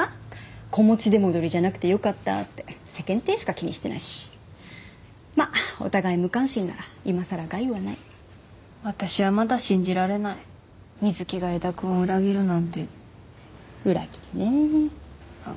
子持ち出戻りじゃなくてよかったって世間体しか気にしてないしまっお互い無関心なら今さら害はない私はまだ信じられない瑞貴が江田君を裏切るなんて裏切りねえあっ